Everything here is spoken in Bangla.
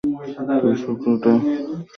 তো শূকরটা সম্পর্কে কিছু জানেন?